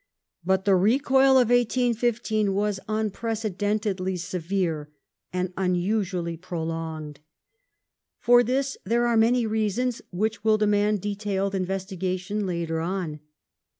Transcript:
But the recoil of 1815 was unprecedentedly severe and unusually pro longed. For this there were many reasons, which will demand detailed investigation later on.